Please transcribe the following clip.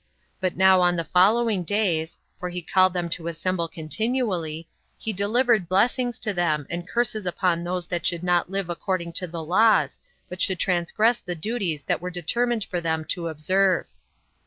But now on the following days [for he called them to assemble continually] he delivered blessings to them, and curses upon those that should not live according to the laws, but should transgress the duties that were determined for them to observe.